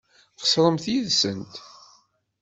Qeṣṣremt yid-sent.